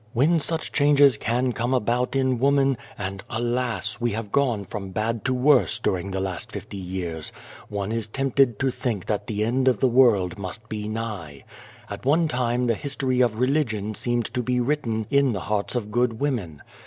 "When such changes can come about in woman and, alas ! we have gone from bad to worse during the last fifty years one is tempted to think that the end of the world must be nigh. At one time the history of religion seemed to be written in the hearts of good women.